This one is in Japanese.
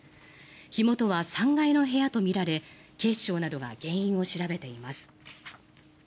火元は３階の部屋とみられ警視庁などが原因を調べています。